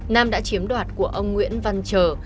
nam đã chiếm đoạt của ông nguyễn văn trờ